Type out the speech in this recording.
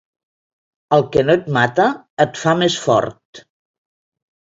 El que no et mata et fa més fort.